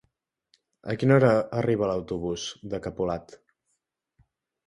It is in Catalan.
A quina hora arriba l'autobús de Capolat?